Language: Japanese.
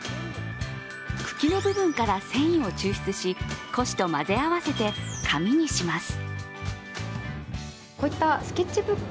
茎の部分から繊維を抽出し古紙と混ぜ合わせて紙にします。